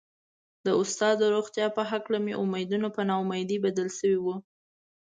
د استاد د روغتيا په هکله مې امېدونه په نا اميدي بدل شوي وو.